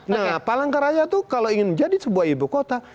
nah palangkaraya itu kalau ingin menjadi sebuah ibu kota